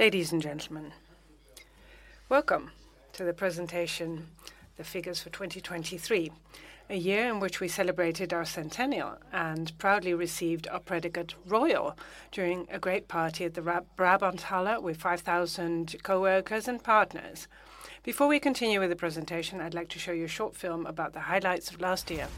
Ladies and gentlemen, welcome to the presentation, the figures for 2023, a year in which we celebrated our centennial and proudly received our predicate Royal during a great party at the Brabanthallen with 5,000 co-workers and partners. Before we continue with the presentation, I'd like to show you a short film about the highlights of last year.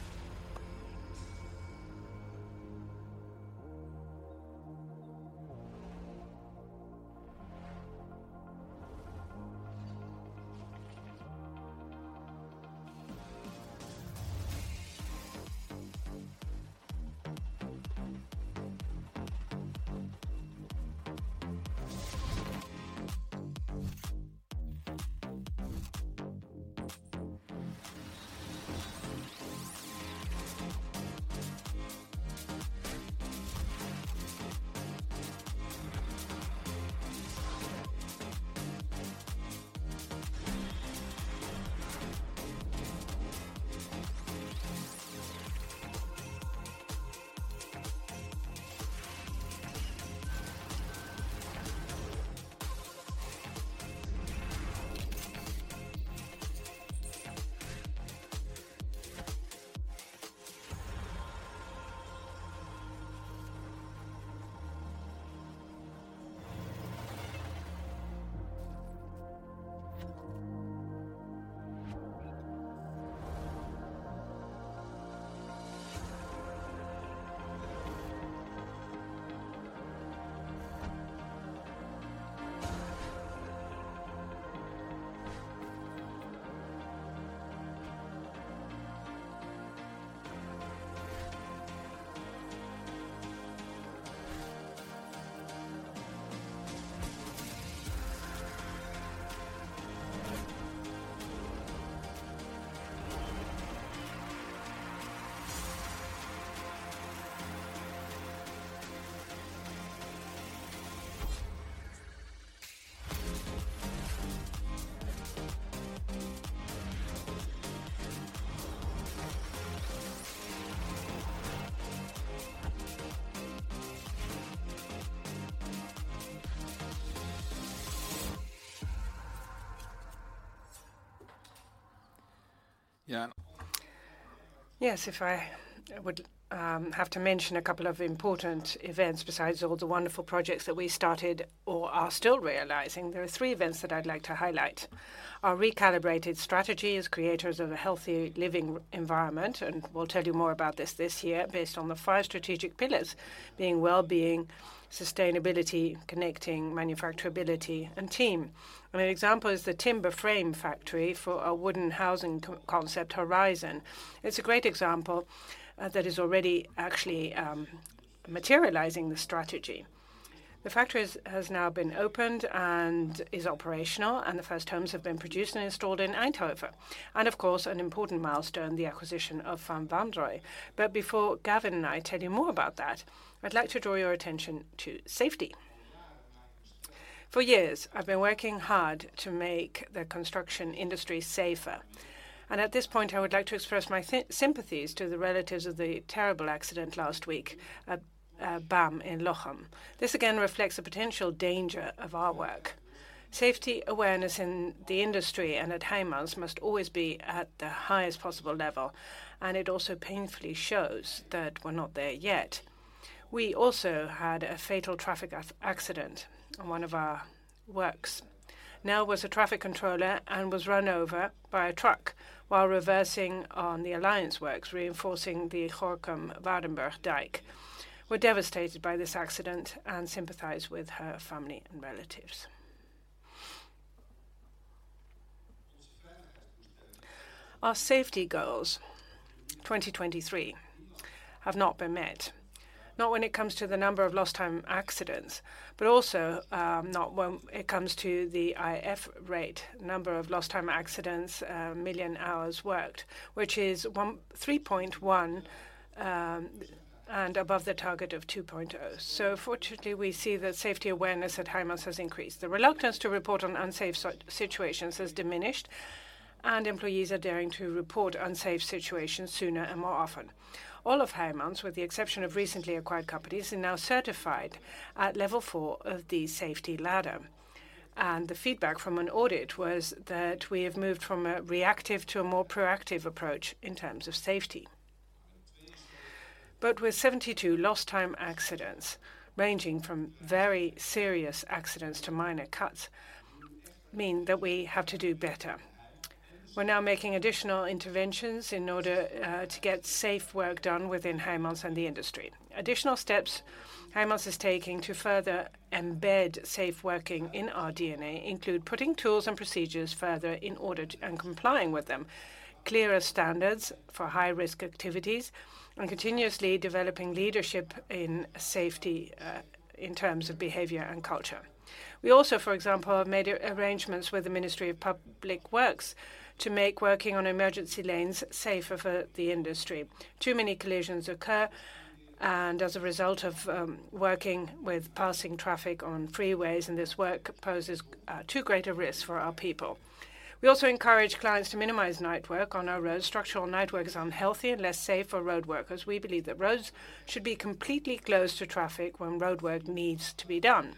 Yes, if I would have to mention a couple of important events, besides all the wonderful projects that we started or are still realizing, there are three events that I'd like to highlight. Our recalibrated strategy as creators of a healthy living environment, and we'll tell you more about this this year, based on the five strategic pillars, being well-being, sustainability, connecting, manufacturability and team. An example is the timber frame factory for our wooden housing concept Horizon. It's a great example, that is already actually materializing the strategy. The factory has now been opened and is operational, and the first homes have been produced and installed in Eindhoven. And of course, an important milestone, the acquisition of Van Wanrooij. But before Gavin and I tell you more about that, I'd like to draw your attention to safety. For years, I've been working hard to make the construction industry safer, and at this point, I would like to express my sympathies to the relatives of the terrible accident last week at BAM in Lochem. This again reflects the potential danger of our work. Safety awareness in the industry and at Heijmans must always be at the highest possible level, and it also painfully shows that we're not there yet. We also had a fatal traffic accident on one of our works. Nelle was a traffic controller and was run over by a truck while reversing on the alliance works, reinforcing the Gorinchem-Waardenburg dike. We're devastated by this accident and sympathize with her family and relatives. Our safety goals, 2023, have not been met. Not when it comes to the number of lost time accidents, but also not when it comes to the IF rate, number of lost time accidents per million hours worked, which is 1.3 and above the target of 2.0. So fortunately, we see that safety awareness at Heijmans has increased. The reluctance to report on unsafe situations has diminished, and employees are daring to report unsafe situations sooner and more often. All of Heijmans, with the exception of recently acquired companies, are now certified at level 4 of the Safety Ladder, and the feedback from an audit was that we have moved from a reactive to a more proactive approach in terms of safety. But with 72 lost time accidents, ranging from very serious accidents to minor cuts, mean that we have to do better. We're now making additional interventions in order, to get safe work done within Heijmans and the industry. Additional steps Heijmans is taking to further embed safe working in our DNA include: putting tools and procedures further in order to, and complying with them, clearer standards for high-risk activities, and continuously developing leadership in safety, in terms of behavior and culture. We also, for example, have made arrangements with the Ministry of Public Works to make working on emergency lanes safer for the industry. Too many collisions occur, and as a result of working with passing traffic on freeways, and this work poses too great a risk for our people. We also encourage clients to minimize night work on our roads. Structural night work is unhealthy and less safe for road workers. We believe that roads should be completely closed to traffic when roadwork needs to be done....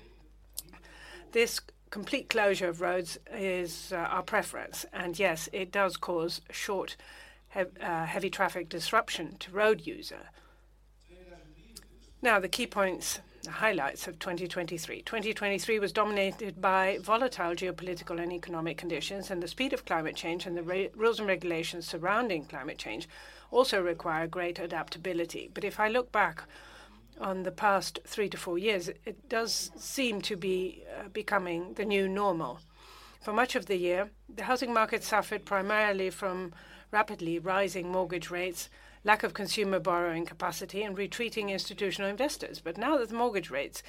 This complete closure of roads is our preference, and yes, it does cause short, heavy traffic disruption to road user. Now, the key points, the highlights of 2023. 2023 was dominated by volatile geopolitical and economic conditions, and the speed of climate change, and the rules and regulations surrounding climate change also require greater adaptability. But if I look back on the past three to four years, it does seem to be becoming the new normal. For much of the year, the housing market suffered primarily from rapidly rising mortgage rates, lack of consumer borrowing capacity, and retreating institutional investors. But now that the mortgage rates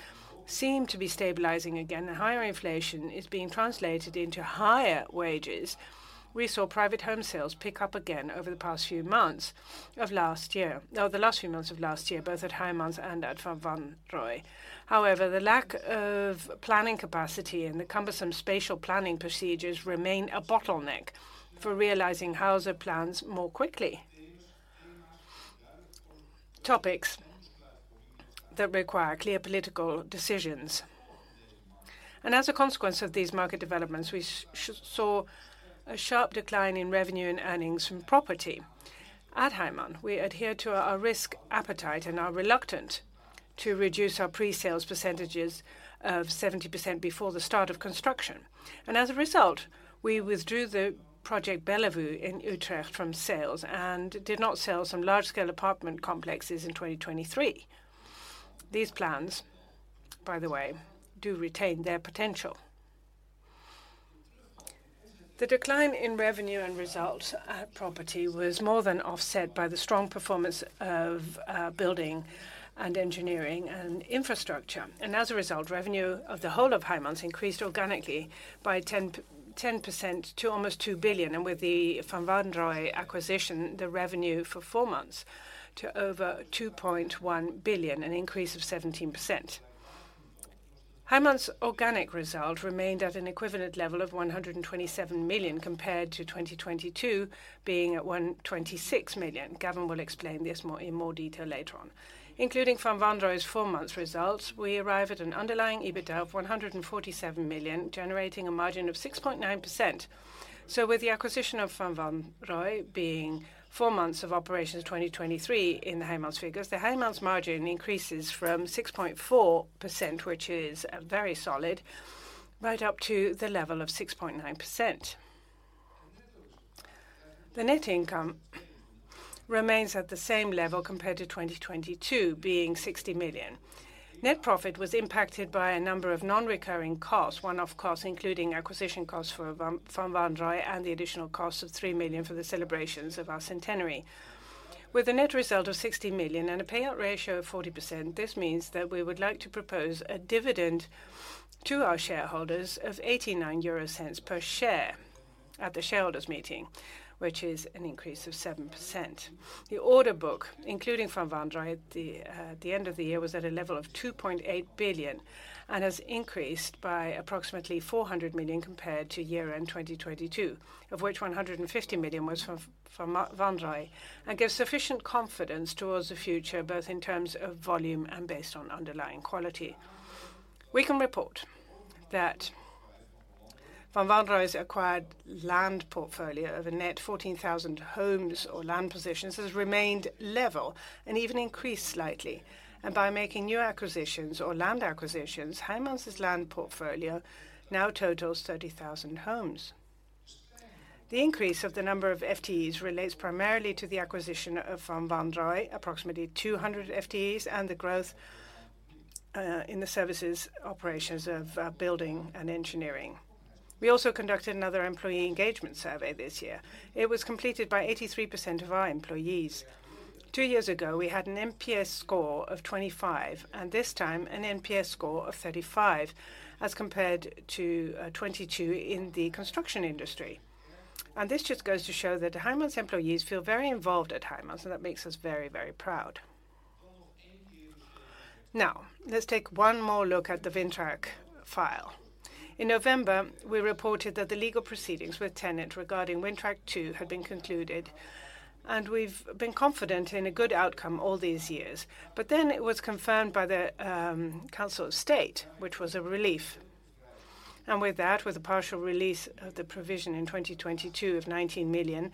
seem to be stabilizing again, and higher inflation is being translated into higher wages, we saw private home sales pick up again over the past few months of last year, both at Heijmans and at Van Wanrooij. However, the lack of planning capacity and the cumbersome spatial planning procedures remain a bottleneck for realizing housing plans more quickly. Topics that require clear political decisions. And as a consequence of these market developments, we saw a sharp decline in revenue and earnings from property. At Heijmans, we adhere to our risk appetite and are reluctant to reduce our pre-sales percentages of 70% before the start of construction, and as a result, we withdrew the project, Bellevue, in Utrecht from sales and did not sell some large-scale apartment complexes in 2023. These plans, by the way, do retain their potential. The decline in revenue and results at Property was more than offset by the strong performance of Building and Engineering and Infrastructure. And as a result, revenue of the whole of Heijmans increased organically by 10, 10% to almost 2 billion, and with the Van Wanrooij acquisition, the revenue for four months to over 2.1 billion, an increase of 17%. Heijmans' organic result remained at an equivalent level of 127 million, compared to 2022, being at 126 million. Gavin will explain this more, in more detail later on. Including Van Wanrooij's four months results, we arrive at an underlying EBITDA of 147 million, generating a margin of 6.9%. So with the acquisition of Van Wanrooij being four months of operations, 2023, in the Heijmans figures, the Heijmans margin increases from 6.4%, which is, very solid, right up to the level of 6.9%. The net income remains at the same level compared to 2022, being 60 million. Net profit was impacted by a number of non-recurring costs. One-off costs, including acquisition costs for Van, Van Wanrooij, and the additional cost of 3 million for the celebrations of our centenary. With a net result of 60 million and a payout ratio of 40%, this means that we would like to propose a dividend to our shareholders of 0.89 per share at the shareholders' meeting, which is an increase of 7%. The order book, including Van Wanrooij, at the end of the year, was at a level of 2.8 billion and has increased by approximately 400 million compared to year-end 2022, of which 150 million was from Van Wanrooij, and gives sufficient confidence towards the future, both in terms of volume and based on underlying quality. We can report that Van Wanrooij's acquired land portfolio of a net 14,000 homes or land positions, has remained level and even increased slightly. And by making new acquisitions or land acquisitions, Heijmans' land portfolio now totals 30,000 homes. The increase of the number of FTEs relates primarily to the acquisition of Van Wijnen, approximately 200 FTEs, and the growth in the services operations of Building and Engineering. We also conducted another employee engagement survey this year. It was completed by 83% of our employees. Two years ago, we had an NPS score of 25, and this time, an NPS score of 35, as compared to 22 in the construction industry. This just goes to show that the Heijmans employees feel very involved at Heijmans, and that makes us very, very proud. Now, let's take one more look at the Windpark file. In November, we reported that the legal proceedings with TenneT regarding Wintrack II had been concluded, and we've been confident in a good outcome all these years. But then it was confirmed by the Council of State, which was a relief. And with that, with a partial release of the provision in 2022 of 19 million,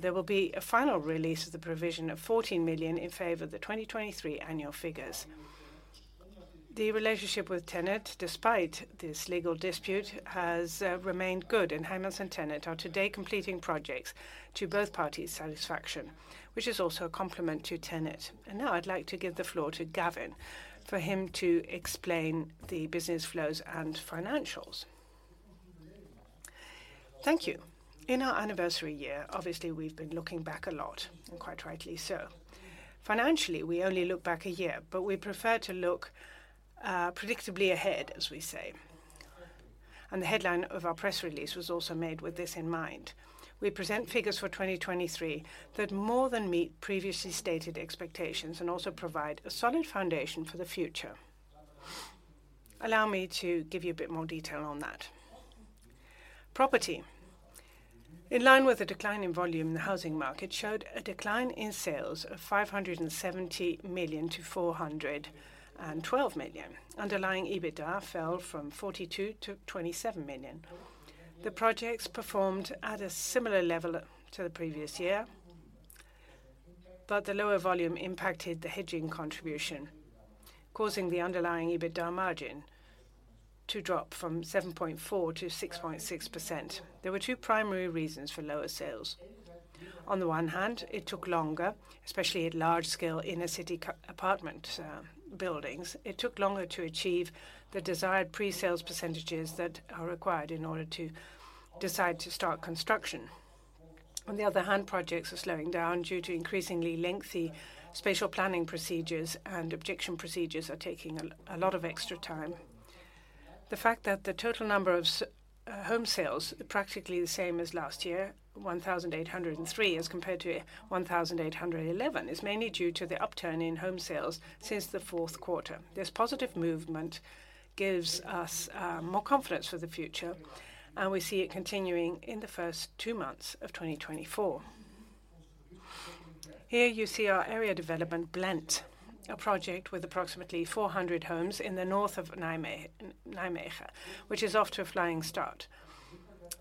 there will be a final release of the provision of 14 million in favor of the 2023 annual figures. The relationship with TenneT, despite this legal dispute, has remained good, and Heijmans and TenneT are today completing projects to both parties' satisfaction, which is also a compliment to TenneT. And now I'd like to give the floor to Gavin for him to explain the business flows and financials. Thank you. In our anniversary year, obviously, we've been looking back a lot, and quite rightly so. Financially, we only look back a year, but we prefer to look predictably ahead, as we say. The headline of our press release was also made with this in mind. We present figures for 2023 that more than meet previously stated expectations and also provide a solid foundation for the future. Allow me to give you a bit more detail on that... Property. In line with the decline in volume, the housing market showed a decline in sales from 570 million to 412 million. Underlying EBITDA fell from 42 million to 27 million. The projects performed at a similar level to the previous year, but the lower volume impacted the hedging contribution, causing the underlying EBITDA margin to drop from 7.4% to 6.6%. There were two primary reasons for lower sales. On the one hand, it took longer, especially at large scale in a city apartment buildings. It took longer to achieve the desired pre-sales percentages that are required in order to decide to start construction. On the other hand, projects are slowing down due to increasingly lengthy spatial planning procedures, and objection procedures are taking a lot of extra time. The fact that the total number of home sales are practically the same as last year, 1,803, as compared to 1,811, is mainly due to the upturn in home sales since the fourth quarter. This positive movement gives us more confidence for the future, and we see it continuing in the first two months of 2024. Here you see our area development, Blend, a project with approximately 400 homes in the north of Nijmegen, which is off to a flying start.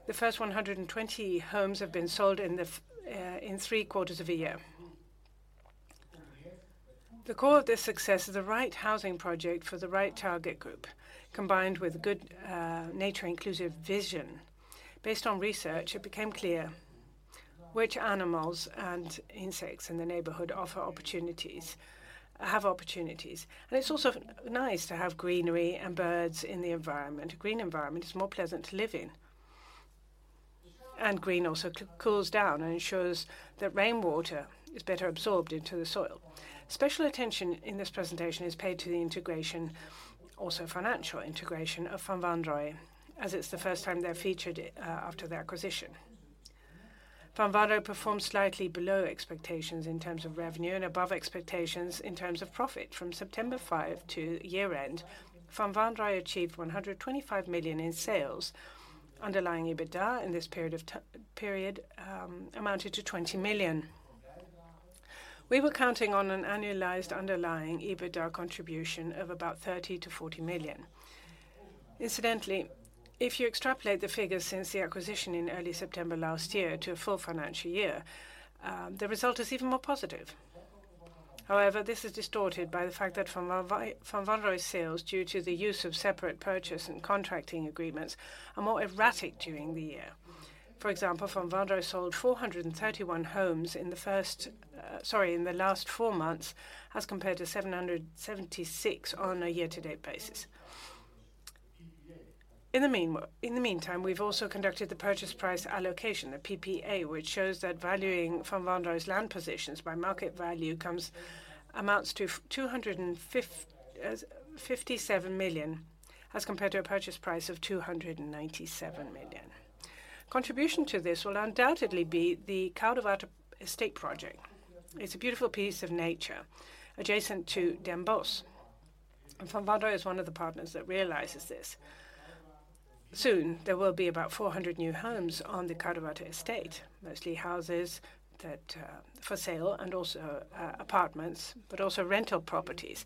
The first 120 homes have been sold in three quarters of a year. The core of this success is the right housing project for the right target group, combined with good nature-inclusive vision. Based on research, it became clear which animals and insects in the neighborhood offer opportunities. It's also nice to have greenery and birds in the environment. A green environment is more pleasant to live in, and green also cools down and ensures that rainwater is better absorbed into the soil. Special attention in this presentation is paid to the integration, also financial integration, of Van Wanrooij, as it's the first time they're featured after the acquisition. Van Wanrooij performed slightly below expectations in terms of revenue and above expectations in terms of profit. From September 5 to year-end, Van Wanrooij achieved 125 million in sales. Underlying EBITDA in this period amounted to 20 million. We were counting on an annualized underlying EBITDA contribution of about 30 million-40 million. Incidentally, if you extrapolate the figures since the acquisition in early September last year to a full financial year, the result is even more positive. However, this is distorted by the fact that Van Wanrooij's sales, due to the use of separate purchase and contracting agreements, are more erratic during the year. For example, Van Wanrooij sold 431 homes in the last four months, as compared to 776 on a year-to-date basis. In the meantime, we've also conducted the purchase price allocation, the PPA, which shows that valuing Van Wanrooij's land positions by market value amounts to 257 million, as compared to a purchase price of 297 million. Contribution to this will undoubtedly be the Coudewater Estate project. It's a beautiful piece of nature adjacent to Den Bosch, and Van der Heijden is one of the partners that realizes this. Soon, there will be about 400 new homes on the Coudewater Estate, mostly houses that for sale and also apartments, but also rental properties.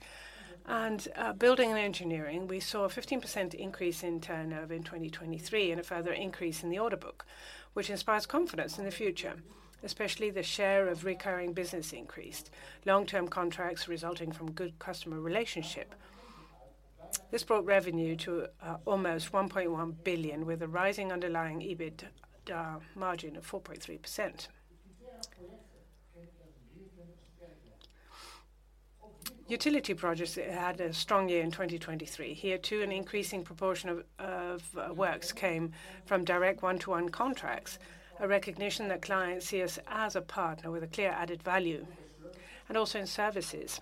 Building and engineering, we saw a 15% increase in turnover in 2023 and a further increase in the order book, which inspires confidence in the future, especially the share of recurring business increased, long-term contracts resulting from good customer relationship. This brought revenue to almost 1.1 billion, with a rising underlying EBITDA margin of 4.3%. Utility projects had a strong year in 2023. Here, too, an increasing proportion of works came from direct one-to-one contracts, a recognition that clients see us as a partner with a clear added value. And also in services,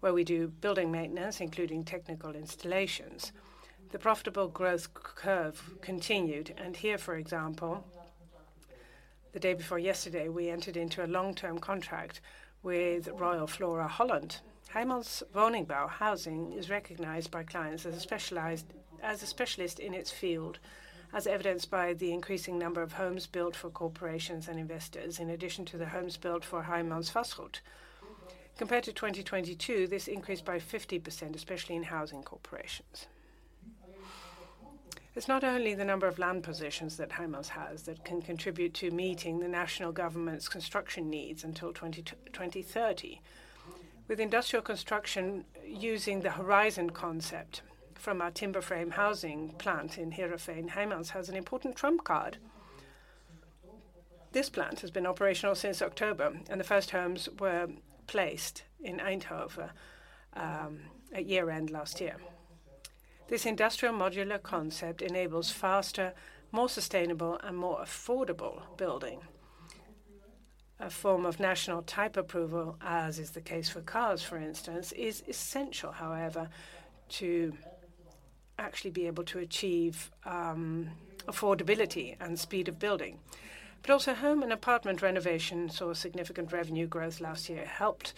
where we do building maintenance, including technical installations. The profitable growth curve continued, and here, for example, the day before yesterday, we entered into a long-term contract with Royal FloraHolland. Heijmans Woningbouw Housing is recognized by clients as a specialist in its field, as evidenced by the increasing number of homes built for corporations and investors, in addition to the homes built for Heijmans Vastgoed. Compared to 2022, this increased by 50%, especially in housing corporations. It's not only the number of land positions that Heijmans has that can contribute to meeting the national government's construction needs until 2030. With industrial construction, using the Horizon concept from our timber frame housing plant in Heerhugowaard, Heijmans has an important trump card. This plant has been operational since October, and the first homes were placed in Eindhoven at year-end last year. This industrial modular concept enables faster, more sustainable, and more affordable building. A form of national type approval, as is the case for cars, for instance, is essential, however, to actually be able to achieve affordability and speed of building. But also, home and apartment renovations saw a significant revenue growth last year, helped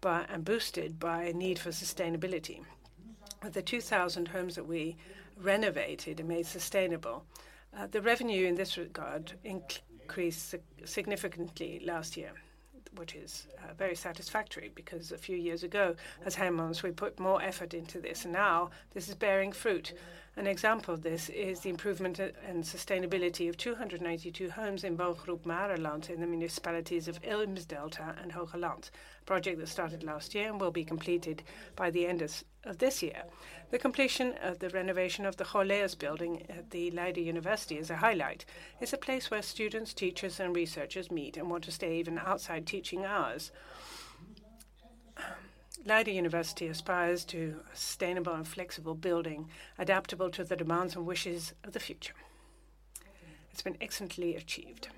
by and boosted by a need for sustainability. With the 2,000 homes that we renovated and made sustainable, the revenue in this regard increased significantly last year, which is very satisfactory, because a few years ago, as Heijmans, we put more effort into this, and now this is bearing fruit. An example of this is the improvement and sustainability of 292 homes in Woongroep Marenland in the municipalities of Eemsdelta and Hogeland, a project that started last year and will be completed by the end of this year. The completion of the renovation of the Hortus Building at Leiden University is a highlight. It's a place where students, teachers, and researchers meet and want to stay even outside teaching hours. Leiden University aspires to a sustainable and flexible building, adaptable to the demands and wishes of the future. It's been excellently achieved.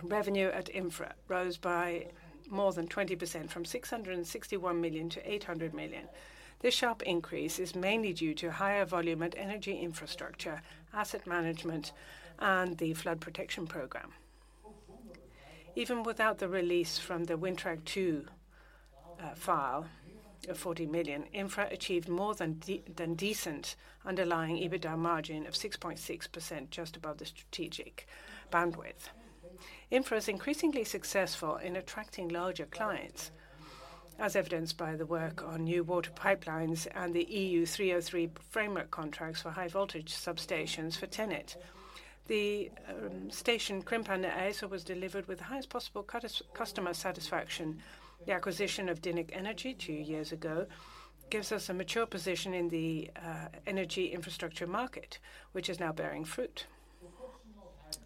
Revenue at Infra rose by more than 20%, from 661 million to 800 million. This sharp increase is mainly due to higher volume at energy infrastructure, asset management, and the flood protection program. Even without the release from the Windpark II file of 40 million, Infra achieved more than decent underlying EBITDA margin of 6.6%, just above the strategic bandwidth. Infra is increasingly successful in attracting larger clients, as evidenced by the work on new water pipelines and the EU 303 framework contracts for high voltage substations for TenneT. The station Krimpen aan den IJssel was delivered with the highest possible customer satisfaction. The acquisition of Dynniq Energy two years ago gives us a mature position in the energy infrastructure market, which is now bearing fruit.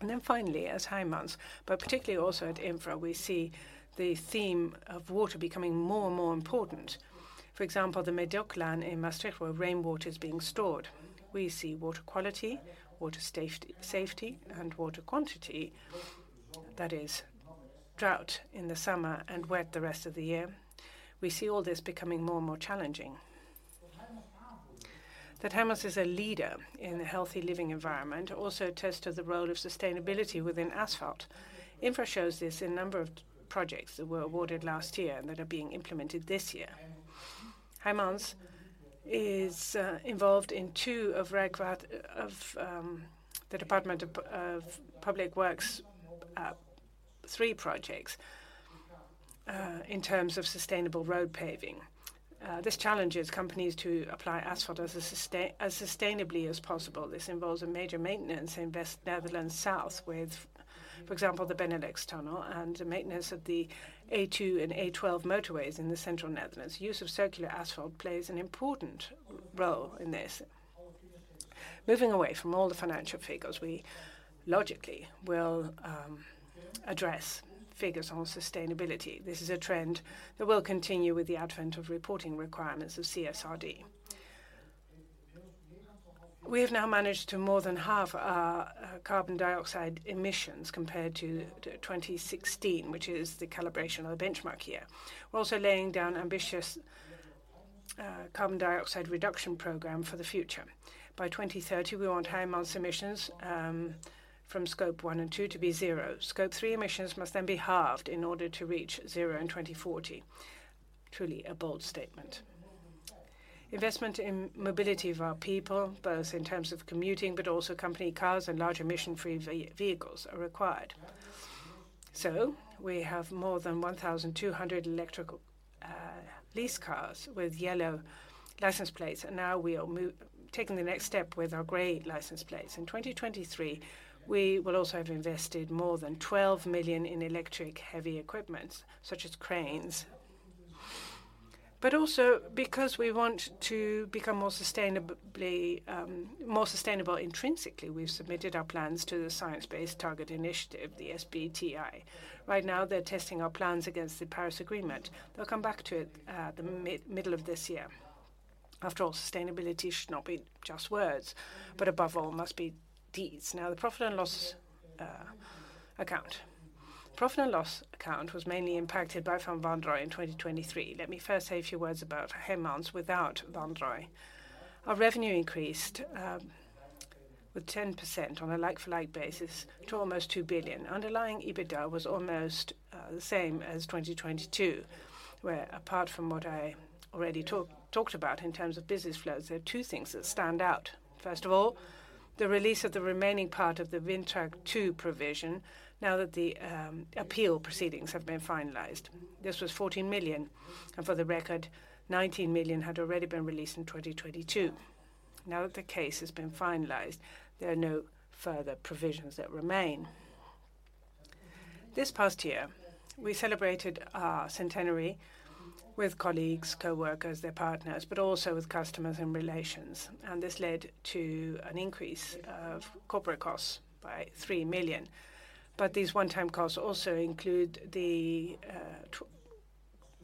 And then finally, as Heijmans, but particularly also at Infra, we see the theme of water becoming more and more important. For example, the Medoclaan in Maastricht, where rainwater is being stored. We see water quality, water safety, and water quantity, that is, drought in the summer and wet the rest of the year. We see all this becoming more and more challenging. That Heijmans is a leader in a healthy living environment also attests to the role of sustainability within asphalt. Infra shows this in a number of projects that were awarded last year and that are being implemented this year. Heijmans is involved in two of Rijkswaterstaat, the Department of Public Works, three projects in terms of sustainable road paving. This challenges companies to apply asphalt as sustainably as possible. This involves a major maintenance in West Netherlands south, with, for example, the Benelux Tunnel and the maintenance of the A2 and A12 motorways in the central Netherlands. Use of circular asphalt plays an important role in this. Moving away from all the financial figures, we logically will address figures on sustainability. This is a trend that will continue with the advent of reporting requirements of CSRD. We have now managed to more than halve our carbon dioxide emissions compared to 2016, which is the calibration or the benchmark year. We're also laying down ambitious carbon dioxide reduction program for the future. By 2030, we want Heijmans emissions from Scope 1 and 2 to be zero. Scope 3 emissions must then be halved in order to reach zero in 2040. Truly a bold statement. Investment in mobility of our people, both in terms of commuting, but also company cars and larger emission-free vehicles, are required. So we have more than 1,200 electrical lease cars with yellow license plates, and now we are taking the next step with our gray license plates. In 2023, we will also have invested more than 12 million in electric-heavy equipments, such as cranes. But also, because we want to become more sustainably, more sustainable intrinsically, we've submitted our plans to the Science Based Targets initiative, the SBTi. Right now, they're testing our plans against the Paris Agreement. They'll come back to it, the middle of this year. After all, sustainability should not be just words, but above all, must be deeds. Now, the profit and loss account. Profit and loss account was mainly impacted by Van Wanrooij in 2023. Let me first say a few words about Heijmans without Van Wanrooij. Our revenue increased with 10% on a like-for-like basis to almost 2 billion. Underlying EBITDA was almost the same as 2022, where apart from what I already talked about in terms of business flows, there are two things that stand out. First of all, the release of the remaining part of the Windpark II provision, now that the appeal proceedings have been finalized. This was 14 million, and for the record, 19 million had already been released in 2022. Now that the case has been finalized, there are no further provisions that remain. This past year, we celebrated our centenary with colleagues, coworkers, their partners, but also with customers and relations, and this led to an increase of corporate costs by 3 million. But these one-time costs also include the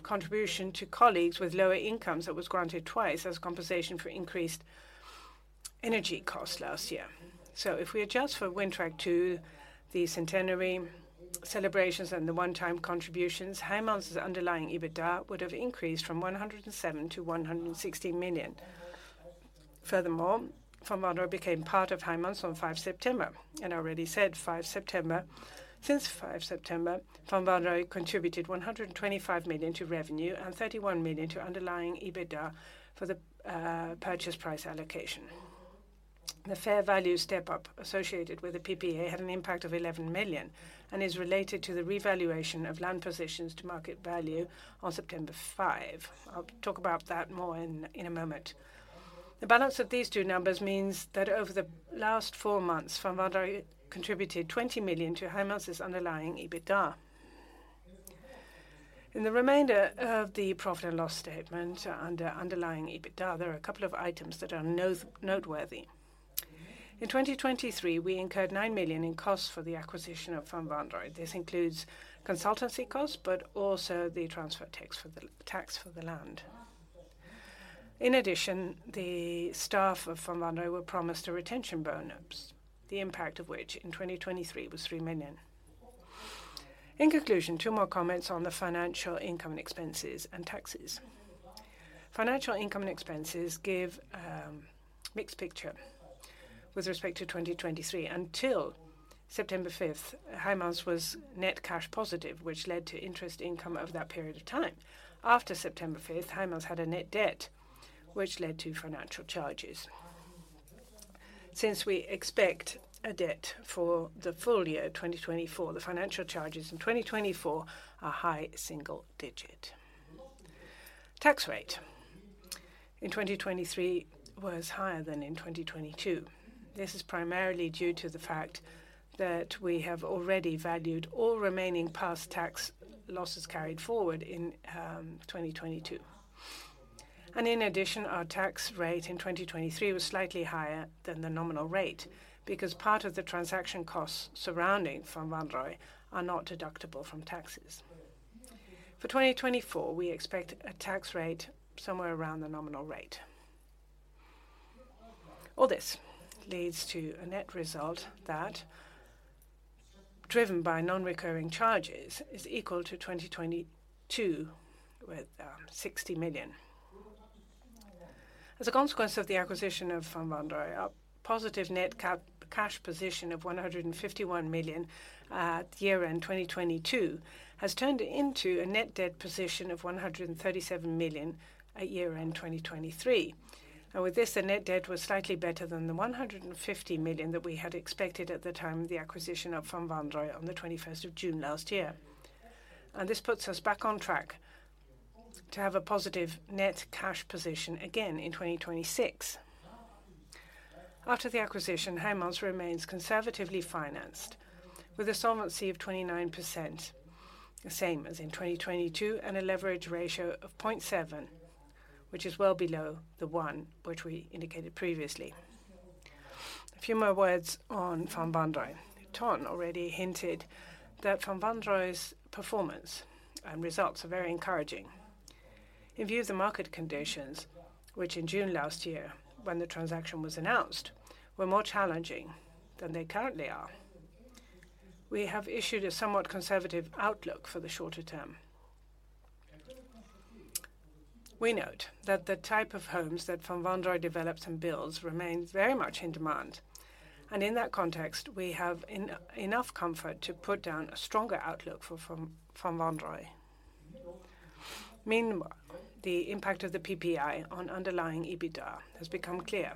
contribution to colleagues with lower incomes that was granted twice as compensation for increased energy costs last year. So if we adjust for Windpark II, the centenary celebrations, and the one-time contributions, Heijmans' underlying EBITDA would have increased from 107 million to 160 million. Furthermore, Van Wanrooij became part of Heijmans on 5 September, and I already said 5 September. Since 5 September, Van Wanrooij contributed 125 million to revenue and 31 million to underlying EBITDA for the purchase price allocation. The fair value step-up associated with the PPA had an impact of 11 million, and is related to the revaluation of land positions to market value on September 5. I'll talk about that more in a moment. The balance of these two numbers means that over the last four months, Van Wanrooij contributed 20 million to Heijmans' underlying EBITDA. In the remainder of the profit and loss statement, under underlying EBITDA, there are a couple of items that are noteworthy. In 2023, we incurred 9 million in costs for the acquisition of Van Wanrooij. This includes consultancy costs, but also the transfer tax for the land. In addition, the staff of Van Wanrooij were promised a retention bonus, the impact of which in 2023 was 3 million. In conclusion, two more comments on the financial income and expenses and taxes. Financial income and expenses give a mixed picture with respect to 2023. Until September 5, Heijmans was net cash positive, which led to interest income over that period of time. After September 5, Heijmans had a net debt, which led to financial charges. Since we expect a debt for the full year 2024, the financial charges in 2024 are high single digit. Tax rate in 2023 was higher than in 2022. This is primarily due to the fact that we have already valued all remaining past tax losses carried forward in 2022. In addition, our tax rate in 2023 was slightly higher than the nominal rate, because part of the transaction costs surrounding Van Wanrooij are not deductible from taxes. For 2024, we expect a tax rate somewhere around the nominal rate. All this leads to a net result that, driven by non-recurring charges, is equal to 2022, with sixty million. As a consequence of the acquisition of Van Wanrooij, our positive net cash position of 151 million, at year-end 2022, has turned into a net debt position of 137 million at year-end 2023. And with this, the net debt was slightly better than the 150 million that we had expected at the time of the acquisition of Van Wanrooij on the twenty-first of June last year. This puts us back on track to have a positive net cash position again in 2026. After the acquisition, Heijmans remains conservatively financed, with a solvency of 29%, the same as in 2022, and a leverage ratio of 0.7, which is well below the one which we indicated previously. A few more words on Van Wanrooij. Ton already hinted that Van Wanrooij's performance and results are very encouraging. In view of the market conditions, which in June last year, when the transaction was announced, were more challenging than they currently are, we have issued a somewhat conservative outlook for the shorter term. We note that the type of homes that Van Wanrooij develops and builds remains very much in demand, and in that context, we have enough comfort to put down a stronger outlook for Van Wanrooij. Meanwhile, the impact of the PPA on underlying EBITDA has become clear.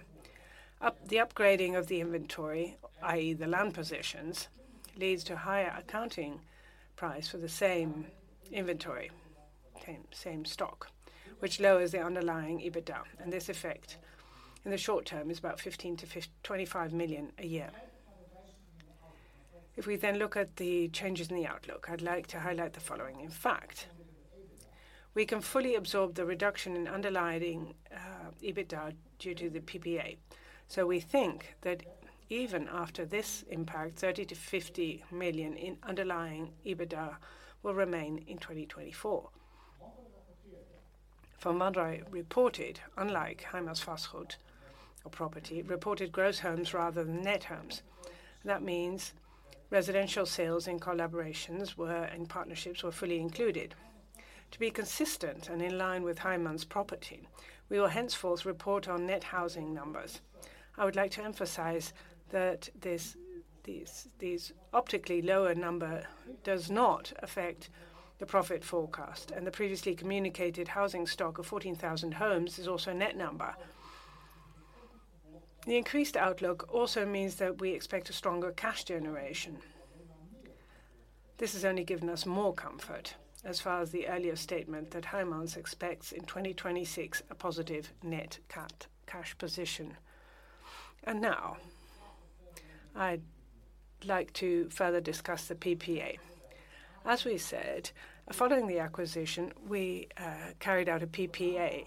The upgrading of the inventory, i.e., the land positions, leads to higher accounting price for the same inventory, same, same stock, which lowers the underlying EBITDA, and this effect, in the short term, is about 15-25 million a year. If we then look at the changes in the outlook, I'd like to highlight the following: In fact, we can fully absorb the reduction in underlying EBITDA due to the PPA. So we think that even after this impact, 30-50 million in underlying EBITDA will remain in 2024. Van Wanrooij reported, unlike Heijmans Vastgoed or property, reported gross homes rather than net homes. That means residential sales in collaborations were and partnerships were fully included. To be consistent and in line with Heijmans Property, we will henceforth report on net housing numbers. I would like to emphasize that this, this, this optically lower number does not affect the profit forecast, and the previously communicated housing stock of 14,000 homes is also a net number. The increased outlook also means that we expect a stronger cash generation. This has only given us more comfort as far as the earlier statement that Heijmans expects in 2026, a positive net cut cash position. Now, I'd like to further discuss the PPA. As we said, following the acquisition, we carried out a PPA,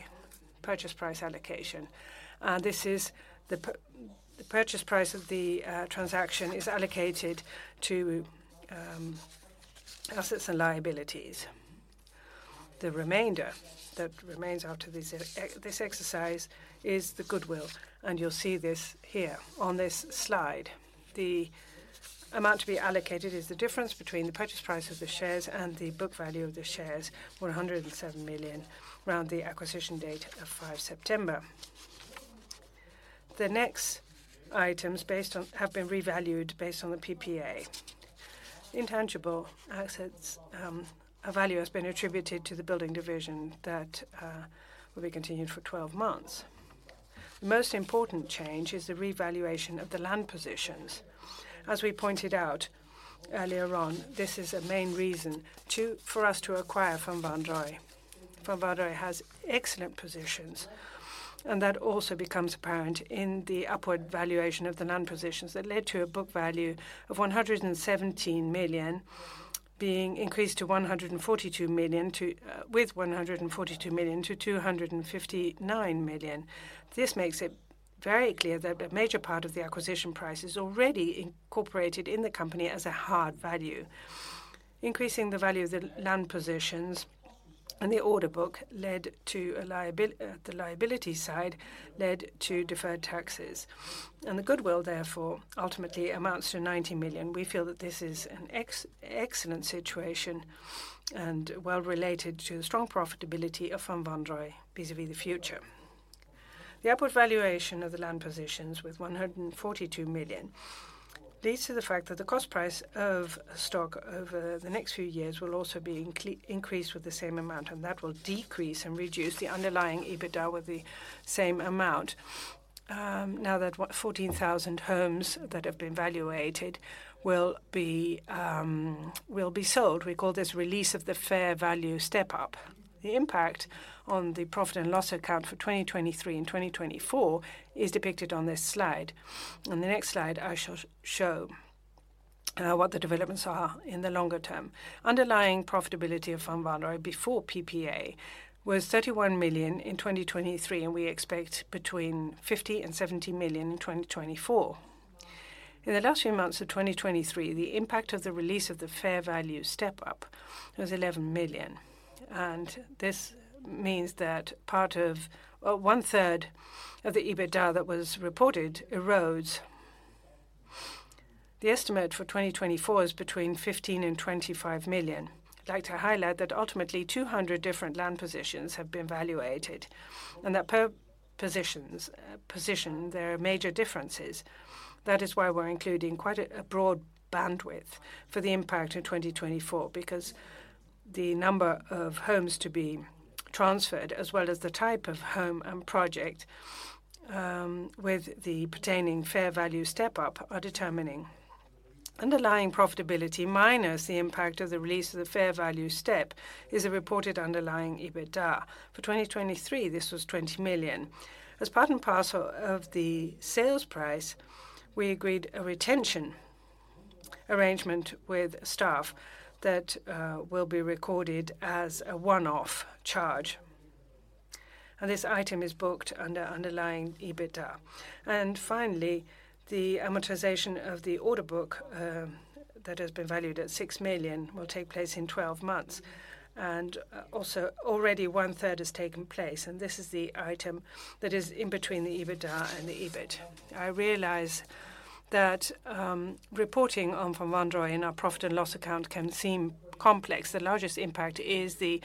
purchase price allocation. This is the purchase price of the transaction is allocated to assets and liabilities. The remainder that remains after this exercise is the goodwill, and you'll see this here on this slide. Amount to be allocated is the difference between the purchase price of the shares and the book value of the shares, 107 million, around the acquisition date of 5 September. The next items based on have been revalued based on the PPA. Intangible assets, a value has been attributed to the building division that will be continued for 12 months. The most important change is the revaluation of the land positions. As we pointed out earlier on, this is a main reason to for us to acquire Van Wanrooij. Van Wanrooij has excellent positions, and that also becomes apparent in the upward valuation of the land positions that led to a book value of 117 million, being increased to 142 million to, with 142 million to 259 million. This makes it very clear that a major part of the acquisition price is already incorporated in the company as a hard value. Increasing the value of the land positions and the order book led to a liability side, led to deferred taxes. And the goodwill therefore, ultimately amounts to 90 million. We feel that this is an excellent situation and well related to the strong profitability of Van Wanrooij, vis-à-vis the future. The upward valuation of the land positions with 142 million, leads to the fact that the cost price of stock over the next few years will also be increased with the same amount, and that will decrease and reduce the underlying EBITDA with the same amount. Now that 14,000 homes that have been valued will be sold. We call this release of the fair value step-up. The impact on the profit and loss account for 2023 and 2024 is depicted on this slide. On the next slide, I shall show what the developments are in the longer term. Underlying profitability of Van Wanrooij before PPA was 31 million in 2023, and we expect between 50 million and 70 million in 2024. In the last few months of 2023, the impact of the release of the fair value step-up was 11 million, and this means that part of one-third of the EBITDA that was reported erodes. The estimate for 2024 is between 15 million and 25 million. I'd like to highlight that ultimately, 200 different land positions have been valuated, and that per positions, position, there are major differences. That is why we're including quite a broad bandwidth for the impact in 2024, because the number of homes to be transferred, as well as the type of home and project, with the pertaining fair value step-up, are determining. Underlying profitability, minus the impact of the release of the fair value step, is a reported underlying EBITDA. For 2023, this was 20 million. As part and parcel of the sales price, we agreed a retention arrangement with staff that will be recorded as a one-off charge, and this item is booked under underlying EBITDA. And finally, the amortization of the order book that has been valued at 6 million will take place in 12 months, and also already one-third has taken place, and this is the item that is in between the EBITDA and the EBIT. I realize that reporting on Van Wanrooij in our profit and loss account can seem complex. The largest impact is the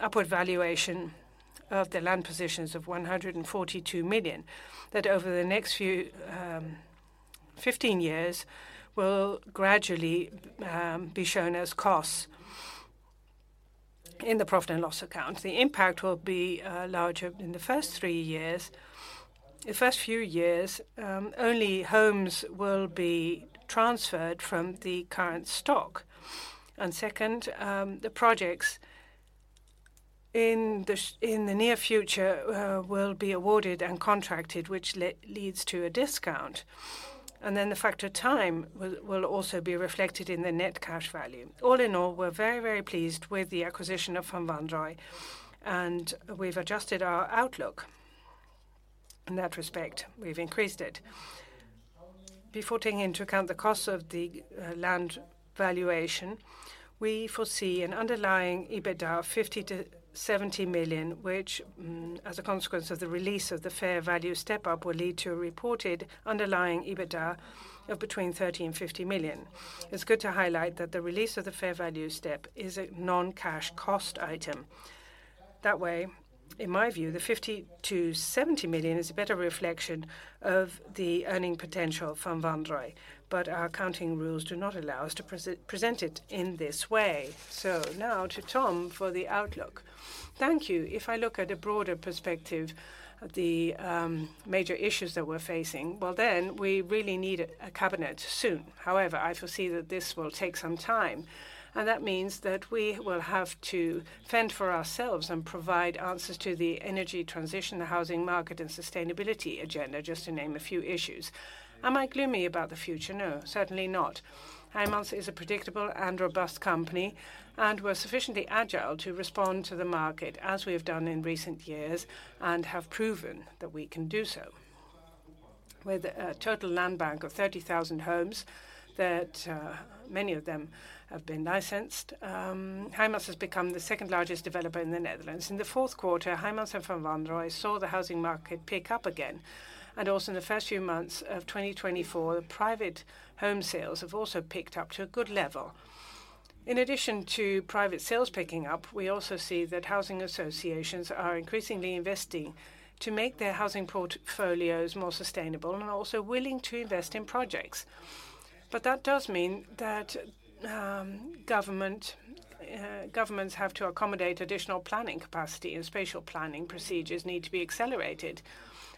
upward valuation of the land positions of 142 million. That over the next few 15 years will gradually be shown as costs in the profit and loss account. The impact will be larger in the first three years. The first few years only homes will be transferred from the current stock. And second the projects in the near future will be awarded and contracted, which leads to a discount. And then the factor time will also be reflected in the net cash value. All in all, we're very, very pleased with the acquisition of Van Wanrooij, and we've adjusted our outlook. In that respect, we've increased it. Before taking into account the cost of the land valuation, we foresee an underlying EBITDA of 50-70 million, which as a consequence of the release of the fair value step-up, will lead to a reported underlying EBITDA of between 30 million and 50 million. It's good to highlight that the release of the fair value step is a non-cash cost item. That way, in my view, the 50-70 million is a better reflection of the earning potential of Van Wanrooij, but our accounting rules do not allow us to present it in this way. So now to Ton for the outlook. Thank you. If I look at a broader perspective of the major issues that we're facing, well, then we really need a cabinet soon. However, I foresee that this will take some time, and that means that we will have to fend for ourselves and provide answers to the energy transition, the housing market, and sustainability agenda, just to name a few issues. Am I gloomy about the future? No, certainly not. Heijmans is a predictable and robust company, and we're sufficiently agile to respond to the market, as we have done in recent years, and have proven that we can do so. With a total land bank of 30,000 homes that, many of them have been licensed, Heijmans has become the second largest developer in the Netherlands. In the fourth quarter, Heijmans and Van Wanrooij saw the housing market pick up again, and also in the first few months of 2024, private home sales have also picked up to a good level. In addition to private sales picking up, we also see that housing associations are increasingly investing to make their housing portfolios more sustainable and are also willing to invest in projects. But that does mean that government, governments have to accommodate additional planning capacity, and spatial planning procedures need to be accelerated.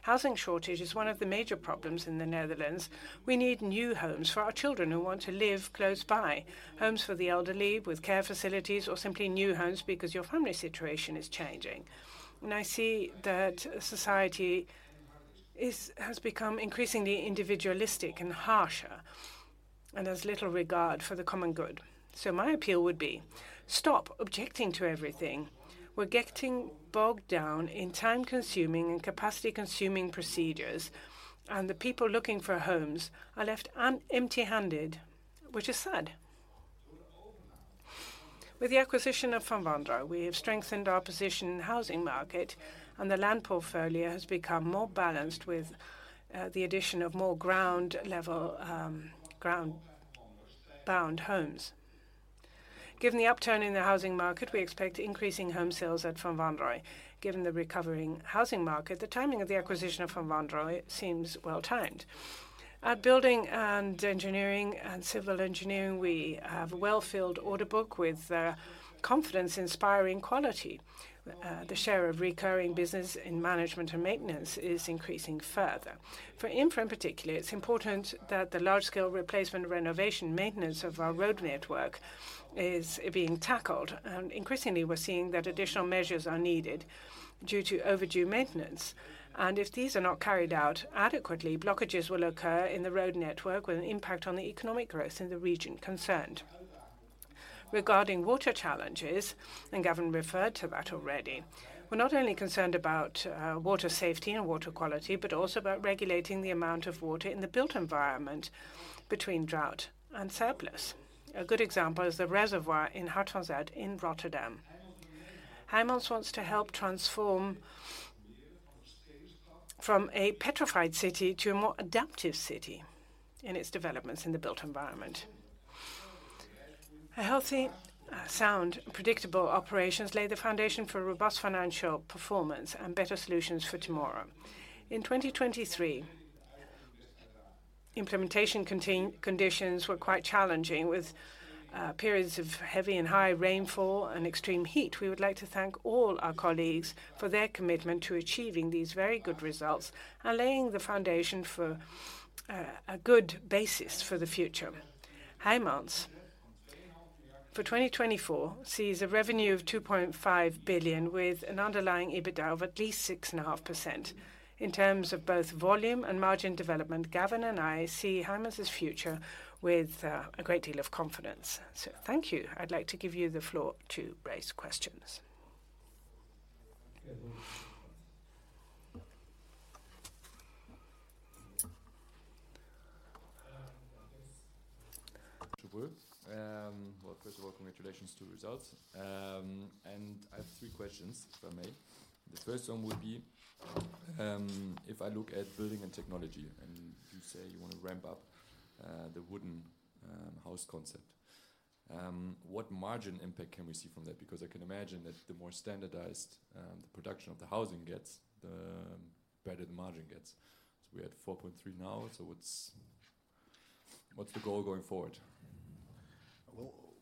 Housing shortage is one of the major problems in the Netherlands. We need new homes for our children who want to live close by, homes for the elderly with care facilities, or simply new homes because your family situation is changing. And I see that society is, has become increasingly individualistic and harsher, and there's little regard for the common good. So my appeal would be: stop objecting to everything. We're getting bogged down in time-consuming and capacity-consuming procedures, and the people looking for homes are left empty-handed, which is sad. With the acquisition of Van Wanrooij, we have strengthened our position in the housing market, and the land portfolio has become more balanced with the addition of more ground-level, ground-bound homes. Given the upturn in the housing market, we expect increasing home sales at Van Wanrooij. Given the recovering housing market, the timing of the acquisition of Van Wanrooij seems well-timed. At Building and Engineering and Civil Engineering, we have a well-filled order book with confidence-inspiring quality. The share of recurring business in management and maintenance is increasing further. For infra, in particular, it's important that the large-scale replacement, renovation, maintenance of our road network is being tackled. Increasingly, we're seeing that additional measures are needed due to overdue maintenance, and if these are not carried out adequately, blockages will occur in the road network with an impact on the economic growth in the region concerned. Regarding water challenges, and Gavin referred to that already, we're not only concerned about water safety and water quality, but also about regulating the amount of water in the built environment between drought and surplus. A good example is the reservoir in Waterstad in Rotterdam. Heijmans wants to help transform from a petrified city to a more adaptive city in its developments in the built environment. A healthy, sound, predictable operations lay the foundation for robust financial performance and better solutions for tomorrow. In 2023, implementation conditions were quite challenging, with periods of heavy and high rainfall and extreme heat. We would like to thank all our colleagues for their commitment to achieving these very good results and laying the foundation for a good basis for the future. Heijmans, for 2024, sees a revenue of 2.5 billion, with an underlying EBITDA of at least 6.5%. In terms of both volume and margin development, Gavin and I see Heijmans' future with a great deal of confidence. So thank you. I'd like to give you the floor to raise questions. Well, first of all, congratulations to the results. I have three questions, if I may. The first one would be, if I look at building and technology, and you say you want to ramp up the wooden house concept, what margin impact can we see from that? Because I can imagine that the more standardized the production of the housing gets, the better the margin gets. So we're at 4.3 now, so what's the goal going forward?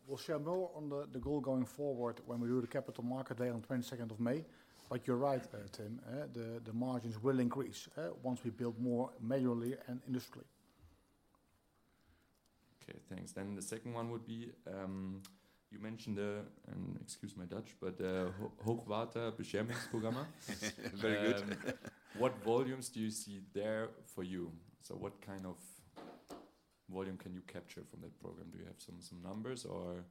We'll share more on the goal going forward when we do the capital market day on 22nd of May. But you're right, Tim, the margins will increase once we build more majorly and industrially. Okay, thanks. Then the second one would be, you mentioned, and excuse my Dutch, but, hoogwaterbeschermingsprogramma. Very good. What volumes do you see there for you? So what kind of volume can you capture from that program? Do you have some numbers or?